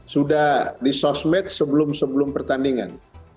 sudah di sosmed sebelum sebelum pertandingan